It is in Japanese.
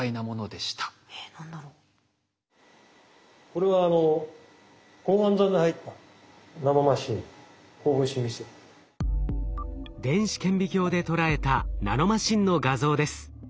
これは電子顕微鏡で捉えたナノマシンの画像です。